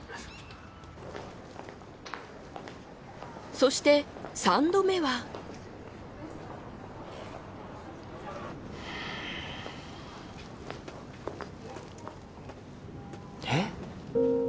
そして三度目は。えっ。